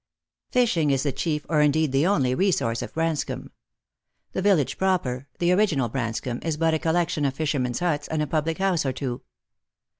Pishing is the chief, or iildeed the only, resource of Branscomb. The village proper, the original Branscomb, ,'s but a collection of fishermen's huts and a public house or two.